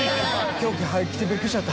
今日来てびっくりしちゃった。